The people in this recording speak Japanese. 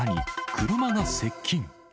車が接近。